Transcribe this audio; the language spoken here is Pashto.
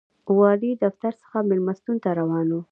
والي دفتر څخه مېلمستون ته روان و.